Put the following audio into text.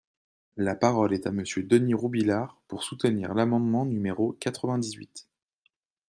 La parole est à Monsieur Denys Robiliard, pour soutenir l’amendement numéro quatre-vingt-dix-huit.